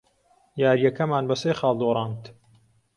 یارییەکەمان بە سێ خاڵ دۆڕاند.